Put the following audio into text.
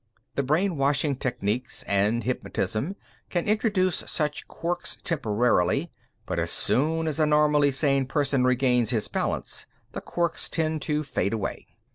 The brainwashing techniques and hypnotism can introduce such quirks temporarily, but as soon as a normally sane person regains his balance, the quirks tend to fade away.